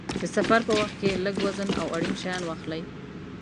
د سفر په وخت کې لږ وزن او اړین شیان واخلئ.